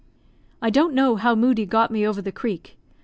I don't know how Moodie got me over the creek.